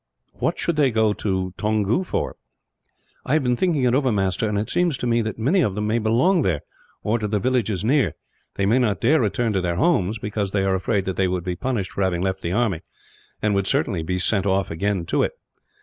"What should they go to Toungoo for?" "I have been thinking it over, master; and it seems to me that many of them may belong there, or to the villages near. They may not dare return to their homes, because they are afraid that they would be punished for having left the army, and would certainly be sent off again to it.